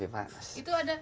itu ada ini harus dibuang